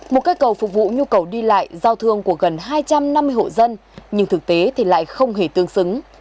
một cây cầu phục vụ nhu cầu đi lại giao thương của gần hai trăm năm mươi hộ dân nhưng thực tế thì lại không hề tương xứng